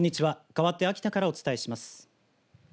かわって秋田からお伝えします。